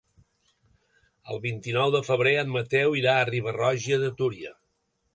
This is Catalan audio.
El vint-i-nou de febrer en Mateu irà a Riba-roja de Túria.